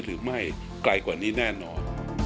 หรือไม่ไกลกว่านี้แน่นอน